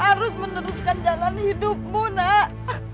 harus meneruskan jalan hidupmu nak